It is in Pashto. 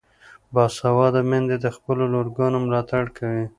باسواده میندې د خپلو لورګانو ملاتړ کوي.